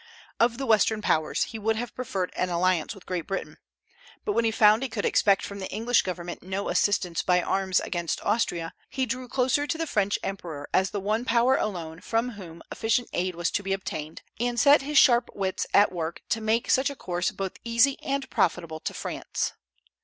Of the Western Powers, he would have preferred an alliance with Great Britain; but when he found he could expect from the English government no assistance by arms against Austria, he drew closer to the French emperor as the one power alone from whom efficient aid was to be obtained, and set his sharp wits at work to make such a course both easy and profitable to France.